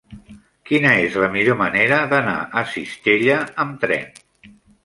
Quina és la millor manera d'anar a Cistella amb tren?